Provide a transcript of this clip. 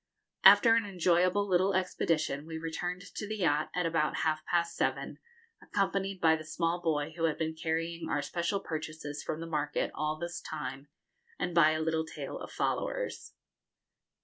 After an enjoyable little expedition we returned to the yacht at about half past seven, accompanied by the small boy who had been carrying our special purchases from the market all this time, and by a little tail of followers.